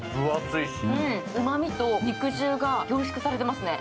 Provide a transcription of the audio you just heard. うまみと肉汁が凝縮されてますね。